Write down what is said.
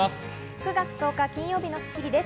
９月１０日、金曜日の『スッキリ』です。